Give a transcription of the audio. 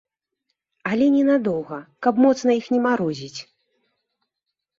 Але не надоўга, каб моцна іх не марозіць.